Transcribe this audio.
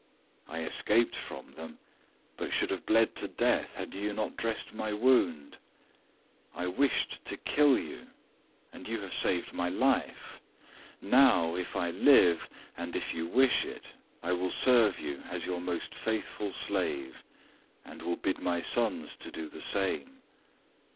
I escaped from them, but should have bled to death had you not dressed my wound. I wished to kill you, and you have saved my life. Now, if I live, and if you wish it, I will serve you as your most faithful slave, and will bid my sons do the same.